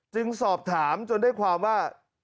จึงสอบถามจนได้ความว่า